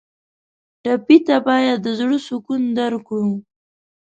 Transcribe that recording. ټپي ته باید د زړه سکون درکړو.